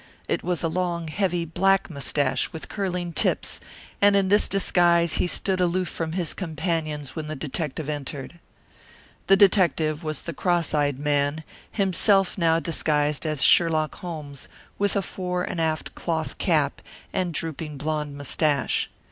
It was a long, heavy black mustache with curling tips, and in this disguise he stood aloof from his companions when the detective entered. The detective was the cross eyed man, himself now disguised as Sherlock Holmes, with a fore and aft cloth cap and drooping blond mustache.